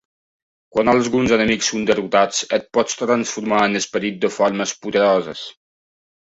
Quan alguns enemics són derrotats, et pots transformar en esperits de formes poderoses.